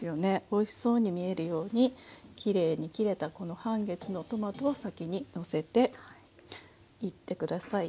おいしそうに見えるようにきれいに切れたこの半月のトマトは先にのせていって下さい。